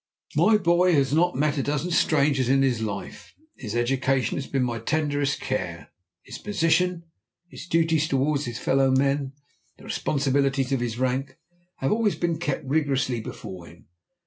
My boy has not met a dozen strangers in his life. His education has been my tenderest care. His position, his duties towards his fellow men, the responsibilities of his rank, have always been kept rigorously before him.